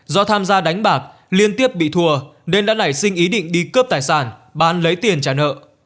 do tham gia đánh bạc liên tiếp bị thùa nên đã nảy sinh ý định đi cướp tài sản bán lấy tiền trả nợ